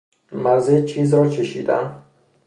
مزه چیز را چشیدن